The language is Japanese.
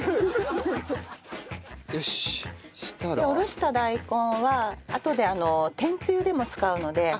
おろした大根はあとでてんつゆでも使うので。